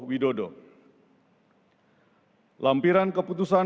kedua dan seterusnya ditetapkan di jakarta pada tanggal sebelas agustus dua ribu dua puluh dua